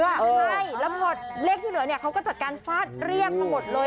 ใช่ละงวดเลขที่เหลือเขาก็จัดการฟาดเรียบทั้งหมดเลย